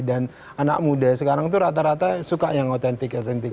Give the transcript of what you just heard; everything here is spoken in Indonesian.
dan anak muda sekarang itu rata rata suka yang otentik otentik